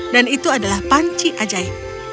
dan itu adalah panci ajaib